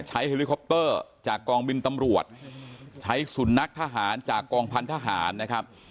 เฮลิคอปเตอร์จากกองบินตำรวจใช้สุนัขทหารจากกองพันธหารนะครับ